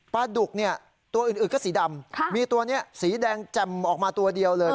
ดุกเนี่ยตัวอื่นก็สีดำมีตัวนี้สีแดงแจ่มออกมาตัวเดียวเลย